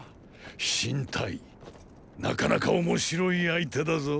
飛信隊ーーなかなか面白い相手だぞ。